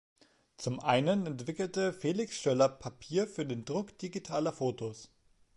Zum einen entwickelte Felix Schoeller Papier für den Druck digitaler Fotos.